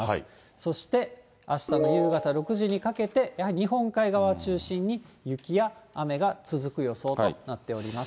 そして、あしたの夕方６時にかけて、やはり日本海側を中心に、雪や雨が続く予想となっております。